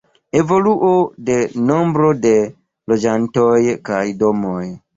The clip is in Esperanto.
Evoluo de nombro de loĝantoj kaj domoj.